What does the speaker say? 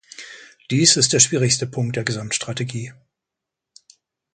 Dies ist der schwierigste Punkt der Gesamtstrategie.